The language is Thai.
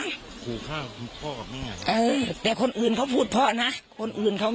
มั้งขูข้าพี่พ่อกับแม่เออแต่คนอื่นเขาพูดพอนะคนอื่นเขา